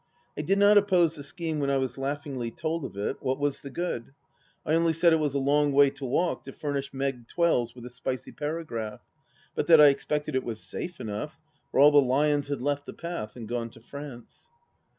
I did not oppose the scheme when I was laughingly told of it ; what was the good ? I only said it was a long way to walk to furnish Meg Twells with a spicy paragraph, but that I expected it was safe enough, for all the lions had left the patjj a{id gone to France.